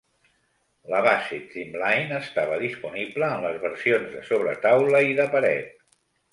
La base Trimline estava disponible en les versions de sobretaula i de paret.